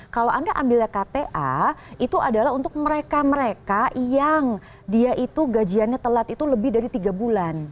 kalau anda ambilnya kta itu adalah untuk mereka mereka yang dia itu gajiannya telat itu lebih dari tiga bulan